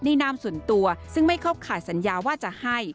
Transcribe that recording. นามส่วนตัวซึ่งไม่เข้าข่ายสัญญาว่าจะให้